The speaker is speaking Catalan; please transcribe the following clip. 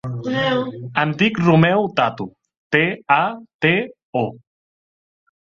Em dic Romeo Tato: te, a, te, o.